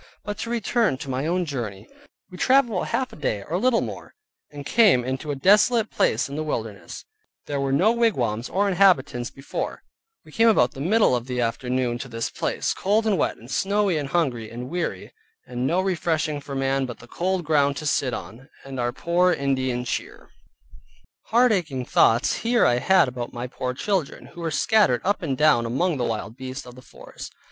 But to return to my own journey, we traveled about half a day or little more, and came to a desolate place in the wilderness, where there were no wigwams or inhabitants before; we came about the middle of the afternoon to this place, cold and wet, and snowy, and hungry, and weary, and no refreshing for man but the cold ground to sit on, and our poor Indian cheer. Heart aching thoughts here I had about my poor children, who were scattered up and down among the wild beasts of the forest.